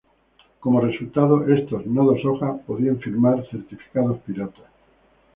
Como resultado, estos "nodos hoja" podían firmar certificados piratas.